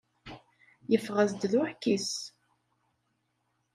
Yeffeɣ-as-d d uɛkis.